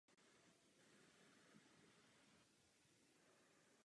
Jádro jeho tvorby tvoří psaní písní pro jiné interprety.